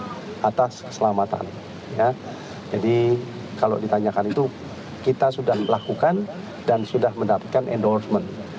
dan improvement atas keselamatan jadi kalau ditanyakan itu kita sudah melakukan dan sudah mendapatkan endorsement